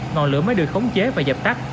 ngọn lửa mới được khống chế và dập tắt